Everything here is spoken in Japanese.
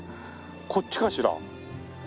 こっちかしら？